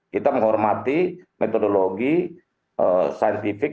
kita menghormati metodologi saintifik